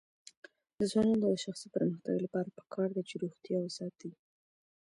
د ځوانانو د شخصي پرمختګ لپاره پکار ده چې روغتیا وساتي.